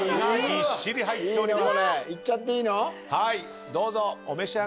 ぎっしり入ってます。